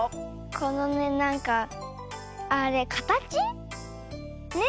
このねなんかあれかたち？ね？